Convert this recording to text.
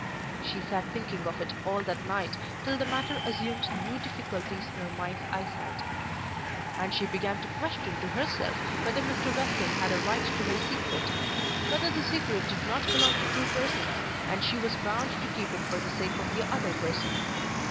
She sat thinking of it all that night till the matter assumed new difficulties in her mind's eyesight. And she began to question to herself whether Mr. Western had a right to her secret, whether the secret did not belong to two persons, and she was bound to keep it for the sake of the other person.